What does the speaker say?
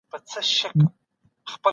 تاسو به د علمي تګلارو ملاتړ کوئ.